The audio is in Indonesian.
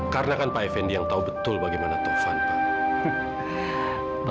karena kan pak fnd yang tahu betul bagaimana taufan pak